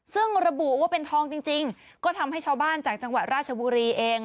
ซึ่งระบุว่าเป็นทองจริงก็ทำให้ชาวบ้านจากจังหวัดราชบุรีเอง